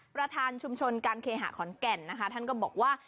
ประธานชุมชนการเคหะขอนแก่นนะคะท่านก็บอกว่า